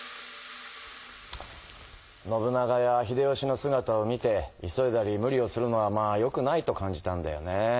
信長や秀吉のすがたを見て急いだり無理をするのはまあよくないと感じたんだよね。